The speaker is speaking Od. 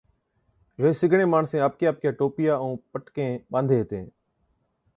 ويھِچ سِگڙين ماڻسين آپڪِيا آپڪِيا ٽوپيا ائُون پٽڪين ٻانڌي ھِتين